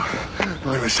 わかりました。